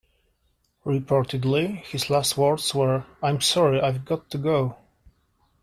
Reportedly his last words were, I'm sorry, I've got to go.